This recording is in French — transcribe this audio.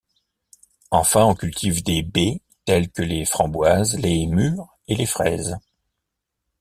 Enfin on cultive des baies telles que les framboises, les mûres et les fraises.